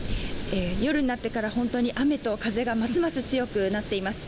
夜になってから本当に雨と風がますます強くなっています。